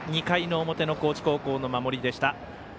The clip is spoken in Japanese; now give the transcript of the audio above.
２回の表の高知高校の守りでした。